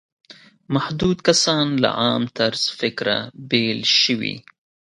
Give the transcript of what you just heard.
محدود کسان له عام طرز فکره بېل شوي.